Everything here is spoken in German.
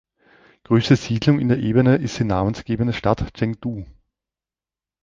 Größte Siedlung in der Ebene ist die namensgebende Stadt Chengdu.